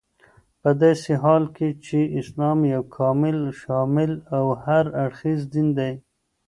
پداسي حال كې چې اسلام يو كامل، شامل او هر اړخيز دين دى